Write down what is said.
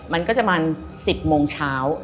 มันก็จะมา๑๐โมงเช้า